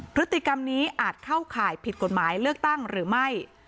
พฤติกรรมนี้อาจเข้าข่ายผิดกฎหมายเลือกตั้งหรือไม่